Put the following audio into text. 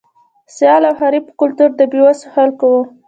سیال او حریف کلتور د بې وسو خلکو و.